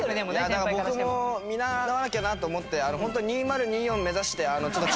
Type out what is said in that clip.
だから僕も見習わなきゃなと思ってホント２０２４目指して中国に旅に出ます！